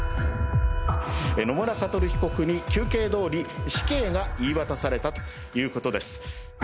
野村悟被告に、求刑どおり死刑が言い渡されたということです。